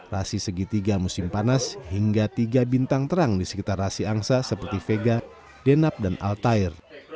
rasi segitiga musim panas hingga tiga bintang terang di sekitar rasi angsa seperti vega denab dan al tair